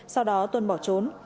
sau đó tuân bỏ trốn